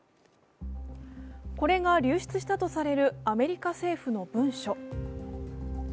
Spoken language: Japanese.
これが流出したとされるアメリカ政府の文書。